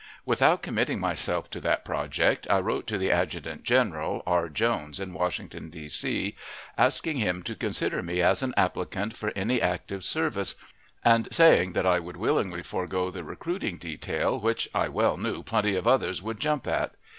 Without committing myself to that project, I wrote to the Adjutant General, R. Jones, at Washington, D. C., asking him to consider me as an applicant for any active service, and saying that I would willingly forego the recruiting detail, which I well knew plenty of others would jump at.